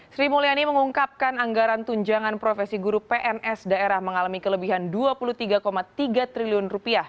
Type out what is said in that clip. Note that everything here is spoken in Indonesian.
sri mulyani mengungkapkan anggaran tunjangan profesi guru pns daerah mengalami kelebihan rp dua puluh tiga tiga triliun